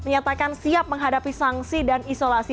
menyatakan siap menghadapi sanksi dan isolasi